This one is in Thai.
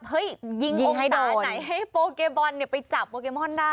ยิงองศาไหนให้โปเกบอลไปจับโปเกมอนได้